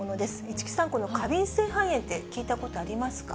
市來さん、この過敏性肺炎って聞いたことありますか？